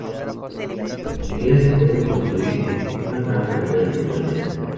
Las madrigueras se pueden construir en una gran variedad de lugares.